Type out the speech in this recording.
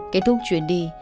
kết thúc chuyển đi